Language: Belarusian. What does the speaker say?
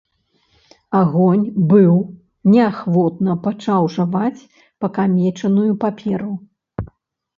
Агонь быў неахвотна пачаў жаваць пакамечаную паперу.